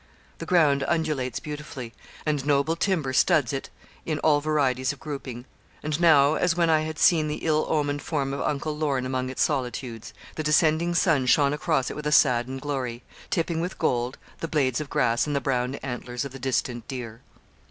The ground undulates beautifully, and noble timber studs it in all varieties of grouping; and now, as when I had seen the ill omened form of Uncle Lorne among its solitudes, the descending sun shone across it with a saddened glory, tipping with gold the blades of grass and the brown antlers of the distant deer.